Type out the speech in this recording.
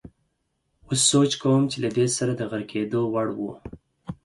اوس سوچ کوم چې له ده سره د غرقېدو وړ وو.